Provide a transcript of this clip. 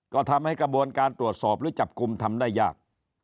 ก็ทำให้กระบวนการตรวจสอบหรือจับกลุ่มทำได้ยาก